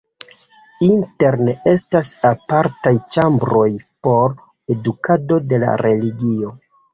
Interne estas apartaj ĉambroj por edukado de la religio.